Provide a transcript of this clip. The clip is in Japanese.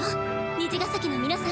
虹ヶ咲の皆さん。